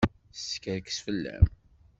Teskerkes fell-am.